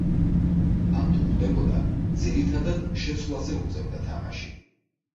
ან, თუ ხვდებოდა, ძირითადად შეცვლაზე უწევდა თამაში.